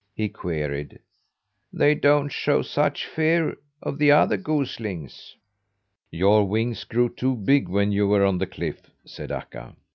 he queried. "They don't show such fear of the other goslings." "Your wings grew too big when you were on the cliff," said Akka.